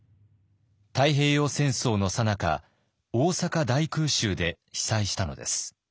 太平洋戦争のさなか大阪大空襲で被災したのです。